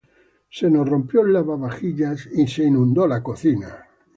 Se nos rompió el lavavajillas y se inundó la cocina.